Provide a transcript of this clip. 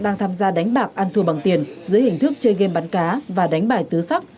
đang tham gia đánh bạc ăn thua bằng tiền dưới hình thức chơi game bắn cá và đánh bài tứ sắc